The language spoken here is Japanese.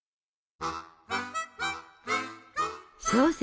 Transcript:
小説